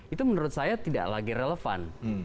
itu menurut saya tidak lagi relevan